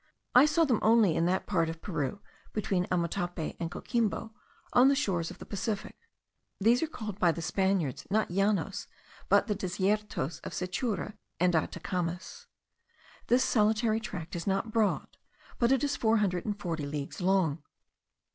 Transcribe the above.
I saw them only in that part of Peru, between Amotape and Coquimbo, on the shores of the Pacific. These are called by the Spaniards, not llanos, but the desiertos of Sechura and Atacamez. This solitary tract is not broad, but it is four hundred and forty leagues long.